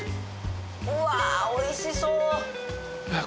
うわあおいしそうえっ